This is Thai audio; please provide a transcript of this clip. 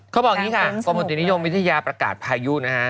เขาบอกอย่างนี้ค่ะประโยชน์วิทยาประกาศพายุ